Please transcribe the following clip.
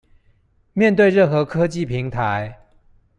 面對任何科技平台